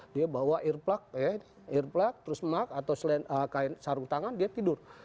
dia bawa earplug terus mak atau sarung tangan dia tidur